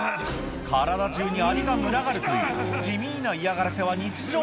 体中にアリが群がるという地味な嫌がらせは日常